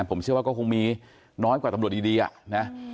ผมเชื่อว่าก็คงมีน้อยกว่าตำรวจดีอ่ะนะ